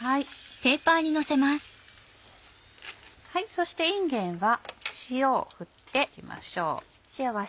そしていんげんは塩を振っていきましょう。